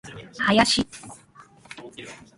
林